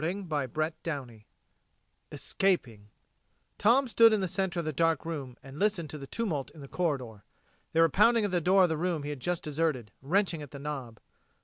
CHAPTER SIXTEEN ESCAPING Tom stood in the center of the dark room and listened to the tumult in the corridor. They were pounding at the door of the room he had just deserted, wrenching at the knob.